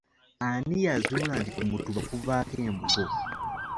Ani eyazuula nti ku mutuba kuvaako embugo?